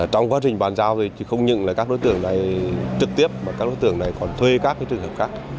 trong quá trình bàn giao thì không những là các đối tượng này trực tiếp mà các đối tượng này còn thuê các trường hợp khác